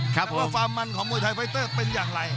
ว่าถ้ามันของโมย๓ยกเป็นอย่างไร